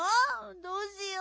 どうしよう？